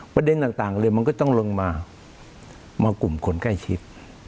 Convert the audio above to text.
ประเด็นต่างเลยมันก็ต้องลงมามากลุ่มคนใกล้ชิด